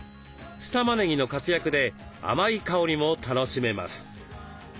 酢たまねぎの活躍で甘い香りも楽しめます。